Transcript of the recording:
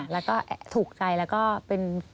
แล้วก็ถูกใจแล้วก็เป็น